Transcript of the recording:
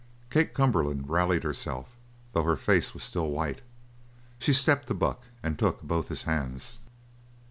Kate Cumberland rallied herself, though her face was still white. She stepped to Buck and took both his hands.